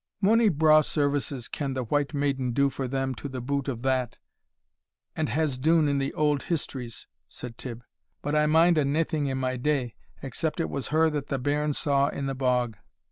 "Mony braw services can the White Maiden do for them to the boot of that, and has dune in the auld histories," said Tibb, "but I mind o' naething in my day, except it was her that the bairn saw in the bog."